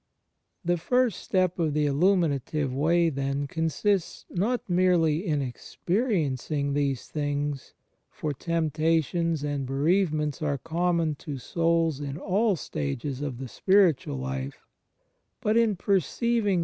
The first step of the Ulimiinative Way, then, consists, not merely in experiencing these things — for tempta tions and bereavements are common to souls in all stages of the spiritual life — but in perceiving their * II Cor.